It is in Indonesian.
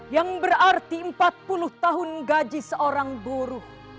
yang berarti empat puluh tahun gaji seorang buruh